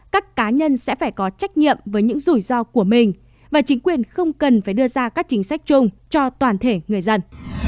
các cá nhân sẽ phải có trách nhiệm với những rủi ro của mình và chính quyền không cần phải đưa ra các chính sách chung cho toàn thể người dân